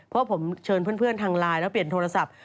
เพราะผมเชิญเพื่อนทางไลน์แล้วเปลี่ยนโทรศัพท์